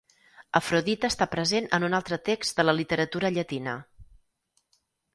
Afrodita està present en un altre text de la literatura llatina.